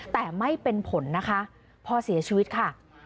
แต่ไม่เป็นผลนะคะพ่อเสียชีวิตค่ะ